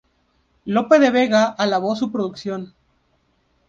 Lope de Vega alabó su producción.